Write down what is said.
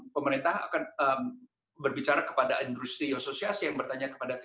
pemerintah akan berbicara kepada industri asosiasi yang bertanya kepada kita